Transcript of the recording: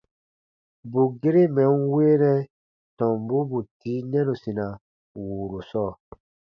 Bù gere mɛ̀ n weenɛ tɔmbu bù tii nɛnusina wùuru sɔɔ.